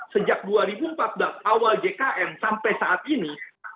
sejak dua ribu empat belas awal jkn sampai saat ini